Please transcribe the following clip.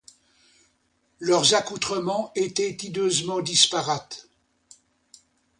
Leurs accoutrements étaient hideusement disparates.